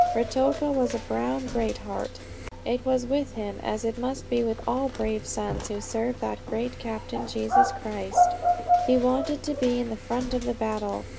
Ruatoka was a brown Greatheart. It was with him as it must be with all brave sons who serve that great Captain, Jesus Christ: he wanted to be in the front of the battle.